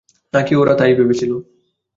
নাকি ওরা তাই ভেবেছিল।